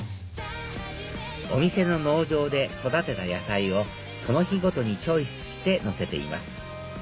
お店の農場で育てた野菜をその日ごとにチョイスしてのせています